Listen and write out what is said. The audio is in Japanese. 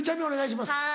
お願いします。